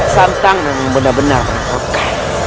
santang yang benar benar oke